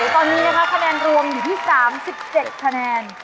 ตอนนี้นะคะคะแนนรวมอยู่ที่๓๗คะแนน